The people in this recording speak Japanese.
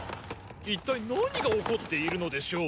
一体何が起こっているのでしょう？